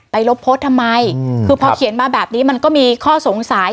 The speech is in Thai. ลบโพสต์ทำไมคือพอเขียนมาแบบนี้มันก็มีข้อสงสัย